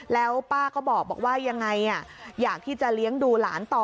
แล้วป้าก็บอกว่ายังไงอยากที่จะเลี้ยงดูหลานต่อ